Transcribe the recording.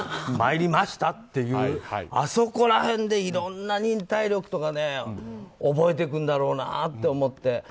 参りましたっていうあそこら辺でいろんな忍耐力とか覚えていくんだろうなと思って。